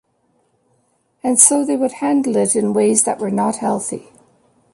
And so they would handle it in ways that were not healthy.